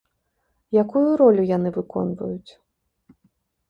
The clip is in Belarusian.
Якую ролю яны выконваюць?